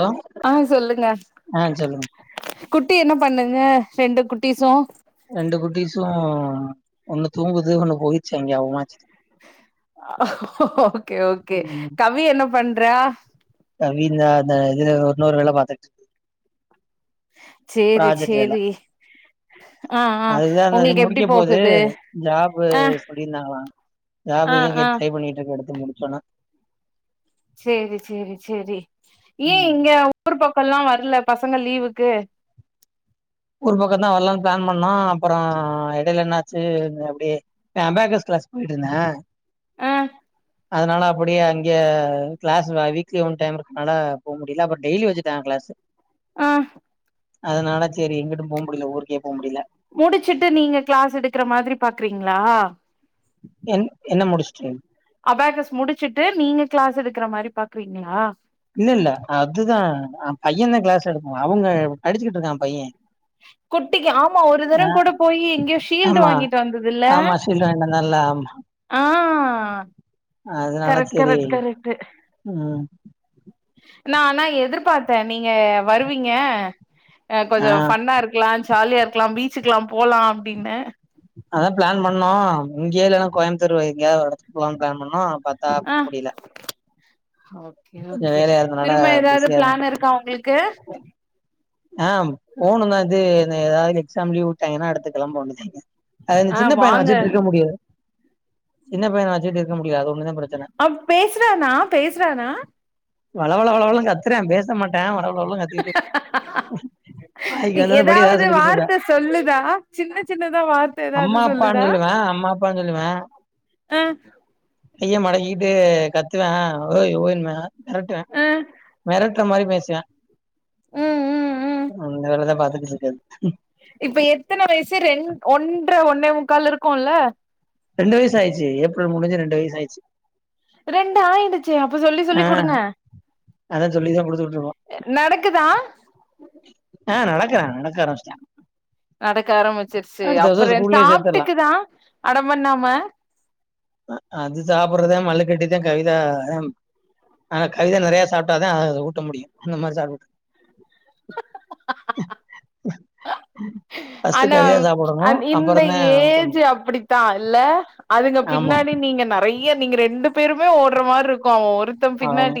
Hello ஆ சொல்லுங்க ஆ சொல்லுங்க குட்டி என்ன பண்ணுங்க ரெண்டு குட்டிஸு ரெண்டு குட்டிஸு ஒன்னு தூங்குது ஒண்ணு போயிட்ச்சு அங்க அவுங் அம்மாச்சிட்ட ஓகே ஓகே ம் கவி என்ன பண்றா கவி இந்தா இந்த ஒரு இதுல இன்னொரு வேல பாத்துட்டு இருக் சேரி ப்ராஜெக்ட் வேல சேரி ஆ ஆ அதுதா இந்த இது உங்களுக்கு எப்டி முடிக்க போது போகுது ஜாபு ஆ சொல்லியிருந்தாங்களா ஆ ஜாபுக்கு இங்கயே ஆ ட்ரை பண்ணிகிட்டு இருக்கு எடுத்து முடிச்சோன்னா சேரி சேரி சேரி ஏ இங்க ஊர் பக்கல்லா வரல பசங்க லீவுக்கு ஊர் பக்கம்தா வரலாம்னு பிளான் பண்ணோ அப்பற இடையில என்னாச்சு அப்டியே அபாகஸ் கிளாஸ் போயிட்டுருந்த ஆ அதனால அப்டியே அங்கயே கிளாஸ் வீக்லி ஒன் டைம் இருக்குனால போக முடியல அங்கயே டெய்லி வந்து இதா கிளாஸ்ஸு ஆ அதனாலா சரி எங்கிட்டு போக முடில ஊருக்கே போக முடில முடிச்சிட்டு நீங்க கிளாஸ் எடுக்கற மாறி பாக்குறீங்களா என் என்ன முடிச்சுட்டு அபாகஸ் முடிச்சிட்டு நீங்க கிளாஸ் எடுக்குற மாறி பாக்குறீங்களா இல்ல இல்ல அதுதா பையதா கிளாஸ் எடுக்கும் அவங்க படிச்சு கிட்டு இருக்கா பைய குட்டிக்கு ஆமா ஒரு தர கூட போயி எங்கயோ ஷீல்டு வாங்கிட்டு வந்ததுல இல்ல இன்னு நல்லா ஆ ஆ அதனால கரெக்ட் சரி கரெக்ட் கரெக்ட்டு ம் நா ஆனா எதிர்பாத்த நீங்க வருவீங்க ஆ கொஞ்ச ஃபன்னா இருக்கு க்கலாம் ஜாலியா இருக்கலா பீச்சுக்கெல்லா போலா அப்டின்னு அதா பிளான் பண்ணோ இங்கயே இல்லன்னா கோயம்பத்தூர் எங்கயாவது ஒரு இடத்துக்கு போகலான்னு பிளான் பண்ணோ ஆ ஓகே கொஞ்சம் ஓகே வேலையா இருந்தனால திரும்ப ஏதாவது பிஸியா இருந்தோம் பிளான் இருக்கா உங்களுக்கு க்கு ஆ ம் போணும் தா இது ஏதாவது எக்ஸாம்மு லீவு விட்டாங்கன்னா அடுத்து கிழம்ப போண்டியதா அது இந்த ஆ சின்ன பையன வாங்க வச்சுட்டு இருக்க முடியாது சின்ன பையன வச்சுட்டு இருக்க முடியாது அது ஒண்ணு தா பிரச் அ பேசுறானா பேசுறானா வளவள வளனு கத்துரா பேச மாட்டா வளவளனு கத் வந்தது படி ஏதாவது ஒரு சொல்லிக்கிட்டு இருப்பேன் வார்த்த சொல்லுதா சின்ன சின்னதா வார்த்த ஏதாவது அம்மா அப்பான்னு சொல்லுதா சொல்லுவேன். அம்மா அப்பான்னு சொல்லுவ ஆ கைய மடக்கிட்டு கத்துவா ஓய் ஓய் ன் பா மிரட்டுவா மிரட்டு ஆ மிரட்டுற மாரி பேசுவ ம் ம் ம் அந்த வேல தா பாத்துக்கிட்டு இருக்காரு இப்ப எத்தன வயிசு ரெண் ஒன்ற ஒன்னே முக்கால் இருக்குன்ல ரெண்டு வயிசா ஆய்சு ஏப்ரல் முடிஞ்சு ரெண்டு வயிசு ஆய்சு ரெண்டு ஆயிடுச்சு அப்ப சொல்லி சொல்லி ஆ குடுங்க அதான் சொல்லி தான் குடுத்துட்டுருக்கோம். நடக்குதா ஆ நடக்கறா நடக்க ஆரம்பிச்சுடா நடக்க ஆரம்பிச்சிருச்சு வருஷம் அப்பற என்ன ஸ்கூல்லயே சேத்துரலாம். சாப்டுக்குதா அடம் பண்ணாம அது சாப்றதா மல்லுக்கட்டிதா கவிதா ஆம் ஆ கவிதா நெறைய சாப்டாதா அத ஊட்ட முடியும் அந்த மாரி சாப்டுட் ஃபஸ்டு கவிதா சாப்ப அ இந்த ஏஜ் அப்டித்தா இல்ல அதுங்க ஆமா. பின்னாடி நீங்க நறை ய நீங்க ரெண்டு பேருமே ஓட்ற மாரி இருக்கும் அவன் ஒருத் ஆமா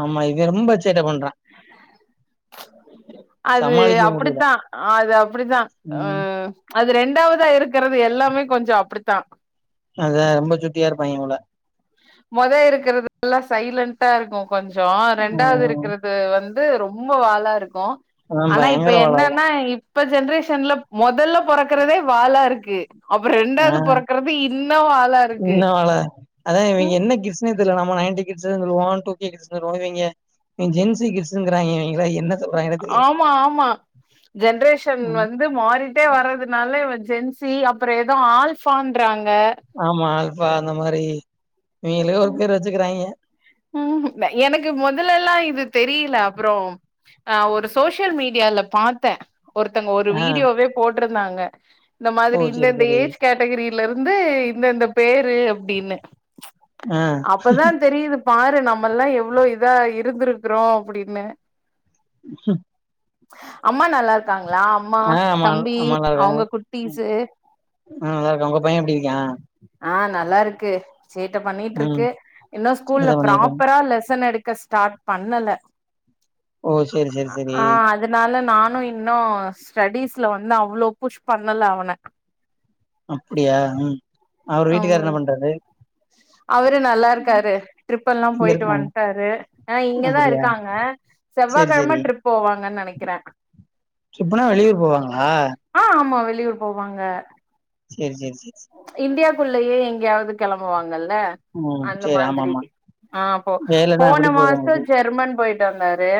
ஆமா இவே ரொம்ப சேட்ட பண்றான் அது சமாளிக்க முடியல. அப்டித்தா அது அ ப்டித்தா அ ம். அது ரெண்டாவதா இருக்கறது எல்லாமே கொஞ்சொ அப்டித்தா அதா ரொம்ப சுட்டியா இருப்பாய்ங்க போல மொத இருக்கறது எல்லா சைலன்டா இருக்கு கொஞ்சோ ஆ ரெண்டாவ்து இரு ருக்றது வந்து ரொம்ப வாலா இருக்கு அதா ஆனா இப்ப பயங்கர வாழாங்க என்னன்னா இப்ப ஜென்ரேஷன்ல மொதல்ல பொறக்கறதே வாலா இருக்கு அப்பறோ ஆ ரெண்டாவ்து பொறக்கறது இன்னு வாலாருக்கு அல அதா இவன் என்ன கிஸ்ன இதுல நம்ம நயன்டி கிட்ஸ்ஸு சொல்லுவோ டூ கே கிட்ஸ் சொல்லுவாங்க இவிங்க ஜென் சி கிட்ஸ்ஸுக்கிறாய்ங்க இவிங்கள என்ன சொல்றாங்கன்னே தெரியல ஆமா ஆமா ஜென்ரேஷன் ம் வந் து மாறிட்டே வர்றதுனால இவ ஜென் சி அப்பறோ எதோ ஆல்பான்றாங்க ஆமா அல்பா அந்த மாரி இவிங்களே ஒரு பேர் வெச்சுக்கிறாய்ங்க ம் எனக்கு மொதலல்லாம் இது தெரியல அப்பறோ ஆ ஒரு சோசியல் மீடியால பாத்தே ஒருத்தங்க ஒரு ஆ வீடியோவே போட்ருந்தாங்க இந்த ஓ மாதிரி இந்த செரி இந்த செரி ஏஜ் கேட் டகிரில இருந்து இந்தந்த பேரு அப்டின்னு ஆ அப்பதா தெரியுது பாரு நம்மல்லா எவ்ளோ இதா இருந்திருக்குறோ அப்டின்னு ம் அம்மா நல்லா இருக்காங்ளா அம்மா ஆ ஆமா தம்பி ஆமா நல்லா இருக்காங்க அவ்ங்க குட்டிஸு ஆ நல்லாருக்கான் உங்க பையன் எப்டி இருக்யான் ஆ நல்லா இருக்கு சேட்ட ம் பண்ணிட்டுருக்கு இன்னு சரிதா ஸ்கூல்ல பண்ணிருக்கே ப்ராப்பரா ஆ லசன் எடுக்க ஸ்டார்ட் பண்ணல ஓ சேரி சேரி செரி அதுனால நானு இன்னு ஸ்டடீஸ்ல வந்து அவ்ளோ புஷ் பண்ணல அவன அப்பிடியா ம் அவரு வீட்டுக்காரு ம் என்ன பண்றாரு அவரு நல்லா இருக்காரு ட்ரிப் எல்லா இங்க போய்ட்டு இருக்காங்க வன்ட்டாரு ஆ இங்கதா அப்டியா இருக்காங்க செவ்வா கெழம ட்ரிப் போவாங்கன் நெனக்கிற ட்ரிப்புனா வெளியூர் போவாங்ளா ஆ ஆமா வெளியூர் போவாங்க சேரி சேரி சேரி சேர் இந்தியா குள்ளயே எங்கெயாது கெளம்புவாங்கல்ல ம் அந்த சேரி ஆமா மாதிரி ஆமா ஆ அப்போ வேலன்னா போன எப்டி போது உங்களுக்கு மாசோம் ஜெர்மன் போய்ட்டு வந்தாரு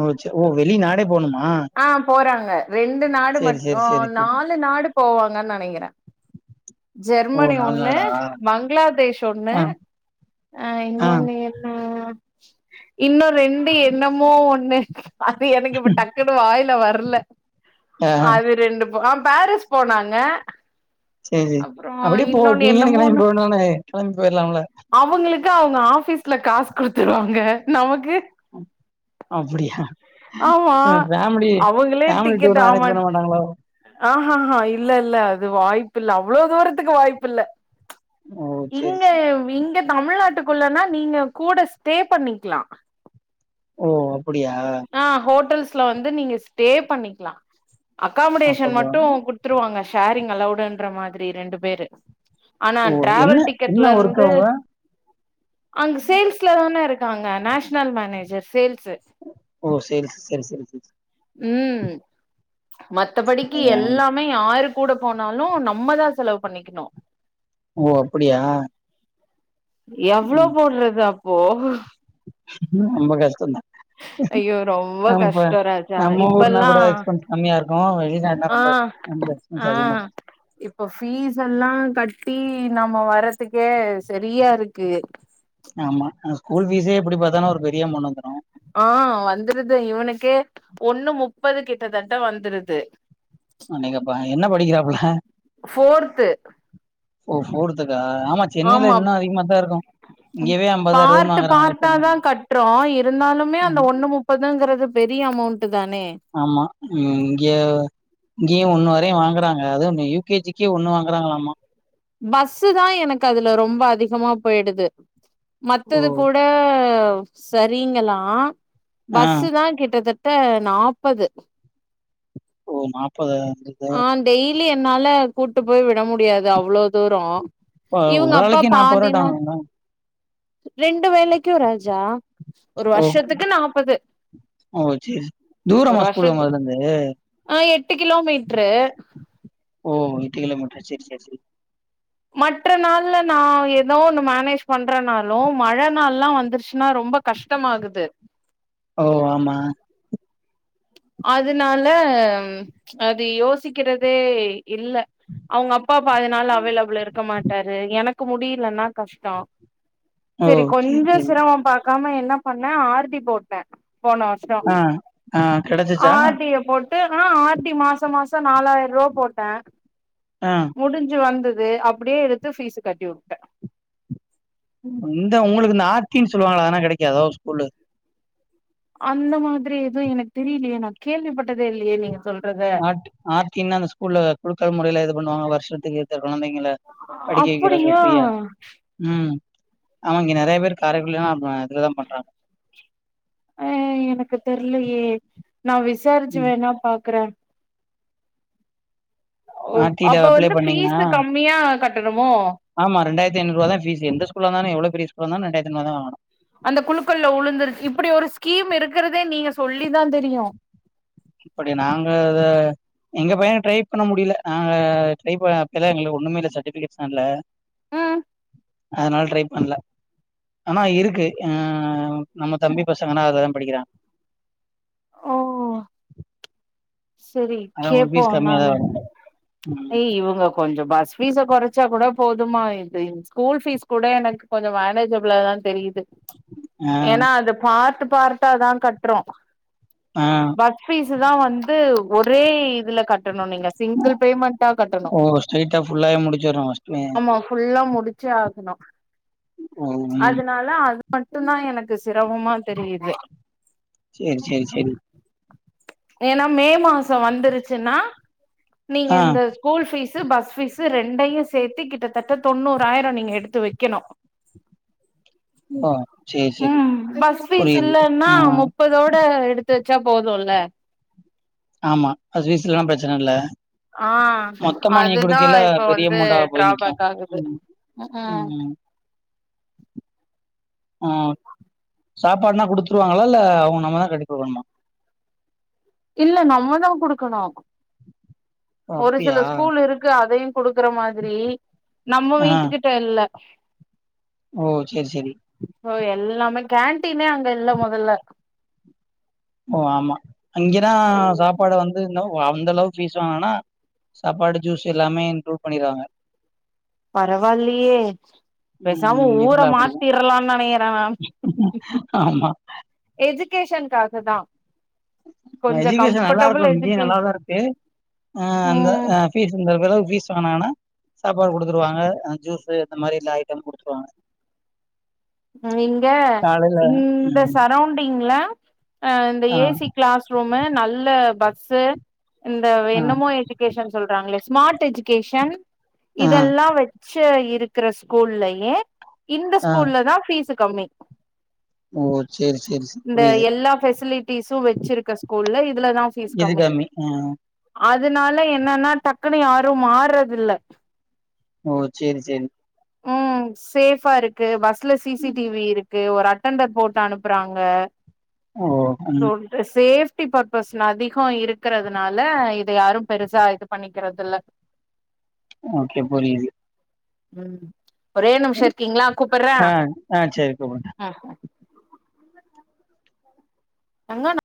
ஓ சே ஓ வெளிநாடே போணுமா ஆ போறாங்க ரெண்டு நாடு சேரி மட்டு சேரி சேரி சேரி நாலு நாடு போவாங்கன்னு நனக்கிறே ஓ ஜெர்மெனி நாலு ஒன்னு நாடா பங்களாதேஷ் ஒண்ணு ஆ ஆ இன்னொன்னு என்னா இன்னும் ரெண்டு என்ணமோ ஒண்ணு அது எனக்கு இப்ப டக்குனு வாயில வரல ஆ அது ரெண்டு பொ அ பாரிஸ் போனாங்க சரி சரி அப்புறோ அப்படியே போ இன்னொன்னு நீங்க இன்னு கிளம்பி என்னமோன்னு போகணும்னு கிளம்பி போயிடலாம்ல அவங்களுக்கு அவங்க ஆபீஸ்ல காஸ் குடுத்துருவாங்க நமக்கு அப் அப்டியா ஆமா ம் ஃபேமிலி அவங்களே ஃபேமிலி டூர் அரேஞ்ச் பண்ண மாட்டாங்களோ ஆ ஹா ஹா இல்ல இல்ல அது வாய்ப்பு இல்ல அவ்வளவு தூரத்துக்கு வாய்ப்பு இல்ல ஓ சேரி இங்க சேரி வ் இங்க தமிழ்நாட்டுக்குள்ளனா நீங்க கூட ஸ்டே பண்ணிக்கலாம் ஓ அப்படியா ஆ ஹோட்டல்ஸ்ல வந்து நீங்க ஸ்டே பண்ணிக்லாம் அகாமடேஷன் அப்பப்போ மட்டும் குடுத்துருவாங்க ஷேரிங் அலவுடுன்ற மாதிரி ரெண்டு பேரு ஆனா ஓ என்ன ட்ராவல் என்ன ஒர்க் டிக்கட்லர்ந்து அவுங்க அங்க சேல்ஸ்ல தான இருக்காங்க நேஷனல் மேனேஜர் சேல்ஸ்சு ஓ சரி சிஸ்டர் சரி சரி ம் மத்தபடிக்கு சேரி எல்லாமே யாரு கூட போனாலும் நம்மதான் செலவு பண்ணிக்கணும் ஓ அப்படியா எவ்ளோ போட்றது அப்போ ம் ரொம்ப கஷ்டந்த ஐயோ ரொம்ப ஆமப்ப கஷ்டோ ராஜா நம்ம ஊர்னா இப்பல்லா கூட எக்ஸ்பென்ஸ் கம்மியா இருக்கும் வெளிநாடுனா தான் ஆ ரொம்ப எக் அங்க பீஸ் ஆ அதிகமா இருக்கு இப்ப ஃபீஸெல்லாம் கட்டி நம்ம வரதுக்கே சரியா இருக்கு ஆமா அங்க ஸ்கூல் ஃபீஸே எப்படி பாத்தாலு ஒரு பெரிய அமௌண்ட் வந்துரும் ஆ வந்துருது இவனுக்கே ஒண்ணு முப்பது கிட்டத்தட்ட வந்துருது அ நீங்க ப என்ன படிக்கிறாப்புல ஃபோர்த்து ஓ ஃபோர் க்க ஆமா சென்னையில இன்னும் அதிகமா தான் இருக்கும் பார்டு பார்டா தான் கட்டுறோம் இருந்தாலுமே அந்த ம் ஒண்ணு முப் பதங்கிறது பெரிய அமௌண்ட் தானே ஆமா நீ இங்க இங்கேயும் ஒண்ணு வரையும் வாங்குறாங்க அது ஒ யு கே ஜி க்கே ஒண்ணு வாங்குறாங்களாமா பஸ்ஸுதா எனக்கு அதுல ரொம்ப அதிகமா பொய்டுது ஓ மத்தது கூட சரிங்களாம் ஆ பஸ் தான் கிட்டத்தட் த்த நாப்பது போ நாப்பதா வ ஆ டெய்லி என்னால கூட்டு போய் விட முடியாது அவ்ளோ தூரம் இவங்க ஒரு அப்பா ஆளுக்கே நாப்பது பாதி ரூவா நாள் டாங்களா ரெண்டு வேலைக்கும் ராஜா ஒரு ஓ வருஷத்துக்கு நாற்பது ஓ சேரி ஒரு தூரமா ஸ்கூல் வர்ஷத்து உங்கள்து ஆ எட்டு கிலோமீட்ரு ஓ இட்லி கெல்லாம் சரி சரி சரி மற்ற நாள்ல நா எதோ ஒன்னு மேனேஜ் பண்றேனாலு மழ நாள்லா வந்துர்ச்சுன்னா ரொம்ப கஷ்டமாகுது ஓ ஆமா அதுனால அது யோசிக்கெறதே இல்ல அவுங்க அப்பா பாதி நாள் அவைலபுள் இருக்க மாட்டாரு எனக் கு முடியலன்னா கஷ்டம் ஓ சரி சரி கொஞ்சம் சிரமம் பா க்காம என்ன பண்ணே ஆர் டி போட்டே போன வர் ஆ ஆ கெடச் ஆர் டி ய போட்டு ஆனா ஆர் டி மாசொ மாசொ நாலாயிர்வா போட்ட ஆ முடுஞ்சு வந்துது அப்டியே எடுத்து ஃபீஸ் கட்டி உ இங்க உங்களுக்கு இந்த ஆர்தின்னு சொல்லுவாங்கள அதானா கெடைக்காதோ ஸ்கூல்லு அந்த மாதுரி எதுவு எனக்கு தெரியிலயே நா கேள்விப்பட்டதே இல்லையே நீங்க சொல்றது ஆ ஆர்டின இந்த ஸ்கூல்ல குழுக்கல் மொறைல இது பண்ணுவாங்க வர்ஷத்துக்கு இத்ன கொழந்தைங்கள படிக்க வெக்கிறது அப்படியா ஃப்ரீயா ம் ஆமா இங்கெ நெறைய பேரு காரைக்குடில்லா [unintelligible] பண்றாங்க அ எனக்கு தெர்லயே நா விசாரிச்சு ம் வேணா பாக்குறே ஒ ஆர்டில அப்ப அப்ளை வந்து பண்ணீங்கன்னா ஃபீஸ்ஸு கம்மியா கட்டணுமோ ஆமா ரெண்டாயிரத்தி ஐநூறுவாதா ஃபீஸ்ஸே எந்த ஸ்கூல்லா இந்தாலு எவ்ளோ பெரிய ஸ்கூல்லா இருந்தாலு ரெண்டாயிரத்தி ஐநூறுவதா வாங்கனு அந்த குழுக்கள்ல உளுந்துரு இப்டி ஒரு ஸ்கீம் இருக்கிறதே நீங்க சொல்லி தா தெரியு இப்புடி நாங்க இத எங்க பையன ட்ரை பண்ண முடியல நாங்க ட்ரை ப எதோ எங்களுக்கு ஒன்னுமே இல்ல சட்டுஃபிகேட்ஸ்னா இல்ல ம் அதுனால ட்ரை பண்ணல ஆனா இருக்கு அ நம்ம தம்பி பசங்கன்னா அதுலதா படிக்கிறாங் ஓ செரி அதா உங்களுக்கு கேப்போ ஃபீஸ் கம்மியாதா நானு வரு ம் ஏய் இவுங்க கொஞ்சொ பஸ் ஃபீஸ கொறச்சா கூட போதுமா இது ஸ்கூல் ஃபீஸ் கூட எனக்கு கொஞ்சொ மேனேஜபிளா தா தெரியுது ஆ ஏன்னா அது பார்ட்டு பார்ட்டா தா கட்றோ அ பஸ் ஃபீஸ் தா வந்து ஒரே இதுல கட்டணு நீங்க சிங்கிள் பேமெண்டா கட்டணு ஓ ஸ்ட்ரைட்டா ஃபுல்லாவே முடிச்சிர்றோ ஃபஸ்ட்டு ஆமா ஃபுல்லா முடுச் சே ஆகணு ஓ ம் அதுனால அது மட்டுந் தா எனக்கு சிரமமா தெரியுது சேரி சேரி சேரி ஏன்னா மே மாசொ வந்துருச்சுன்னா நீங்க ஆ இந்த ஸ்கூல் ஃபீஸ்ஸு பஸ் ஃபீஸ்ஸு ரெண்டையு சேத்து கிட்டத்தட்ட தொண்ணூறாயரொ நீங்க எடுத்து வெக்கணு ஓ சேரி சேரி ம் பஸ் ஃபீஸ் புரியுது இல்லென்னா மு ம் ப்பதோட எடுத்து வச்சா போதுல்ல ஆமா அது வேசுலலா பிரச்சன இல்ல ஆ மொத்தமா நீங்க அதுதா குடுக்கைல இப்ப பெரிய வந்து அமொண்டா போய் நிக்கு டிராபேக் ஆகுது ம் அ சாப்பாடுனா குடுத்துருவாங்களா இல்ல அவுங்க நம்ம தா கட்டிக் குடுக்கணுமா இல்ல நம்மதா குடுக்கணு ஓ ஒரு அப்டியா சில ஸ்கூல் இருக்கு அதையு குடுக்குற மாதிரி நம்ம ஆ வீட்டுக்கி ட்ட இல்ல ஓ சேரி சேரி ஓ எல்லாமே கேன்ட்டீனே அங்க இல்ல மொதல்ல ஓ ஆமா அங்கெனா சாப்பாடு வந்து இன்னொ ஓ அந்த அளவுக்கு ஃபீஸ் வாங்னாங்னா சாப்பாடு ஜூஸ்ஸு எல்லாமே இன்க்ளூட் பண்ணிருவாங்க பரவால்லியே ம் பேசாம இங்க ஊர ஃபுல்லா அப்படிதா மாத்திர்லானு நெனைக்கறே நானு ஆமா எஜுகேஷன்காக தா ஆ கொஞ்சோ எஜுகேஷன் நல்லா கம்ஃபர்டபிள் இருக்கு இங்கே எஜுகே நல்லாதா இருக்கு அ அந்த ம் ஃபீஸ் அந்த அளவுக்கு ஃபீஸ் வாங்கனா சாப்பாடு குடுத்துருவாங்க அ ஜூஸ் இந்த மாரி எல்லா ஐட்டம் குடுத்துருவாங்க இங்க காலைல இந்த ம் சரௌண்டிங்ல அ இந்த ஆ ஏசி கிளாஸ் ரூமு நல்ல பஸ்ஸு இந்த ஆ எனமோ எஜு கேஷன் சொல்றாங்களே ஸ்மார்ட் எஜுகேஷன் ஆ இதெல்லா வை ரிச்சா இருக்கிற ஸ்கூல்லயே இந்த ஆ ஸ்கூல்ல தா ஃபீஸ் கம்மி ஓ சேரி சேரி சேரி இந்த புரியுது எல்லா பெஃசிலிட்டிஸு வை வச்சிருக்க ஸ்கூல்ல இதுலதா ஃபீஸ் இது கம்மி ஆ அதனால என்னன்னா டக்குனு யாரு மாறுறதில்ல ஓ சேரி சேரி ம் சேஃபா இருக்கு பஸ் ல சி சி டி வி இருக்கு ஒரு அட்டண்டர் போட்டு அனுப்புறாங்க ஓ அம் இ சேஃப்டி பர்பஸ் னா அதிக இருக்கிறதுனால இத யாரு பெருசா இது பண்ணிக்கிறது இல்ல ஓகே புரியுது ம் ஒரே நிமிஷோ இருக்கீங்களா கூப்டுறே ஆ ஆ சேரி கூப்டுங்க அ தங்கோ ணா